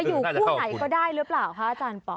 อยู่คู่ไหนก็ได้หรือเปล่าคะอาจารย์ปอ